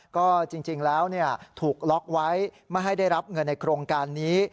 ก็จริงแล้วถูกล็อกไว้ไม่ให้ได้รับเงินในโครงการนี้